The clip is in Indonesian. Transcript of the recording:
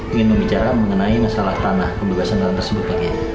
ingin membicarakan mengenai masalah tanah pembebasan tanah tersebut pak kiai